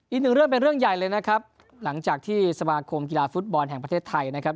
อีกหนึ่งเรื่องเป็นเรื่องใหญ่เลยนะครับหลังจากที่สมาคมกีฬาฟุตบอลแห่งประเทศไทยนะครับ